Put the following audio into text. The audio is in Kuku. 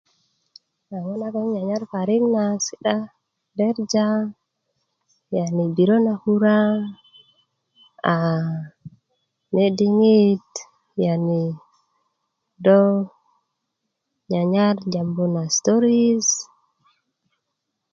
a ŋo' nagon 'n nyanyar parik na a kita na derja yani biriö na kura a ne diŋit yani do nyanyar jambu na storisi